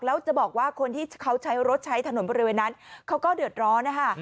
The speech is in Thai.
แล้วจะบอกว่าคนที่เขาใช้รถใช้ถนนบริเวณนั้นเขาก็เดือดร้อนนะคะ